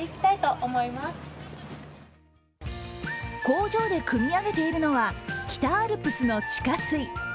工場でくみ上げているのは北アルプスの地下水。